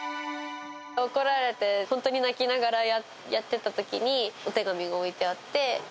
怒られて、本当に泣きながらやってたときに、お手紙が置いてあって。